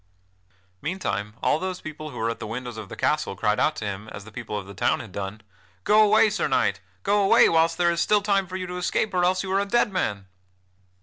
Meantime all those people who were at the windows of the castle cried out to him, as the people of the town had done: "Go away, Sir Knight! Go away whilst there is still time for you to escape, or else you are a dead man!"